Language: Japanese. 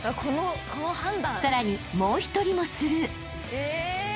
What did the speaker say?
［さらにもう一人もスルー］